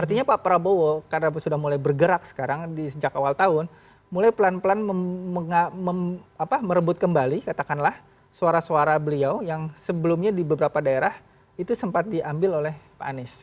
artinya pak prabowo karena sudah mulai bergerak sekarang di sejak awal tahun mulai pelan pelan merebut kembali katakanlah suara suara beliau yang sebelumnya di beberapa daerah itu sempat diambil oleh pak anies